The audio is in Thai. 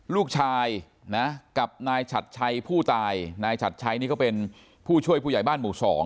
ลูกชายนะกับนายฉัดชัยผู้ตายนายฉัดชัยนี่ก็เป็นผู้ช่วยผู้ใหญ่บ้านหมู่๒